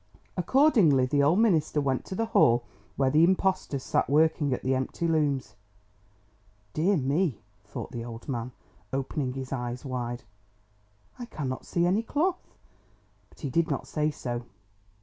Accordingly the old minister went to the hall where the impostors sat working at the empty looms. "Dear me!" thought the old man, opening his eyes wide, "I cannot see any cloth!" But he did not say so.